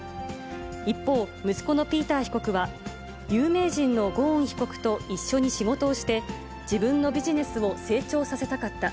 一方、息子のピーター被告は、有名人のゴーン被告と一緒に仕事をして、自分のビジネスを成長させたかった。